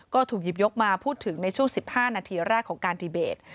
ก็ถูกหยิบยกมาพูดถึงในช่วง๑๕นาทีแรกของการดีเบต